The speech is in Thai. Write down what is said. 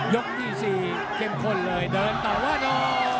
ยกที่สี่เช่นคนเลยเดินต่อโอ้โห